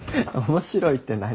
面白いって何？